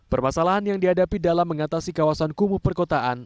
permasalahan yang dihadapi dalam mengatasi kawasan kumuh perkotaan